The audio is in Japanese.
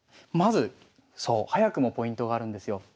まずそう早くもポイントがあるんですよ。